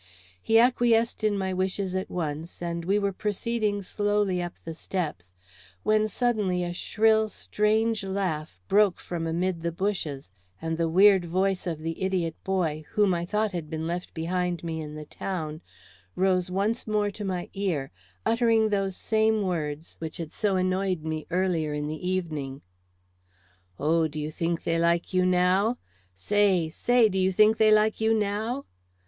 He acquiesced in my wishes at once, and we were proceeding slowly up the steps, when suddenly a shrill, strange laugh broke from amid the bushes, and the weird voice of the idiot boy, whom I thought had been left behind me in the town, rose once more to my ear, uttering those same words which had so annoyed me earlier in the evening. "Oh, do you think they like you now? Say, say, do you think they like you now?"